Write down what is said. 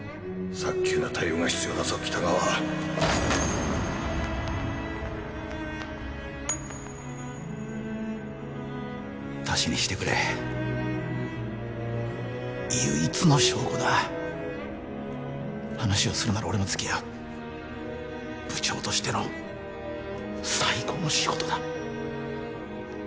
早急な対応が必要だぞ北川足しにしてくれ唯一の証拠だ話をするなら俺もつきあう部長としての最後の仕事だ